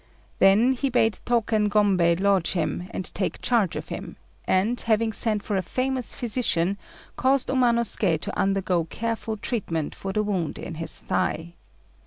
Then he bade Tôken Gombei lodge him and take charge of him, and, having sent for a famous physician, caused Umanosuké to undergo careful treatment for the wound in his thigh.